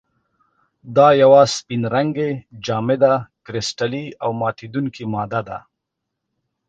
دا یوه سپین رنګې، جامده، کرسټلي او ماتیدونکې ماده ده.